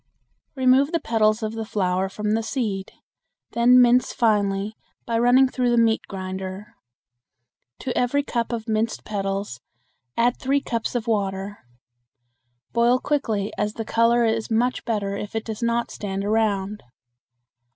Remove the petals of the flower from the seed; then mince finely by running through the meat grinder. To every cup of minced petals add three cups of water. Boil quickly as the color is much better if it does not stand around.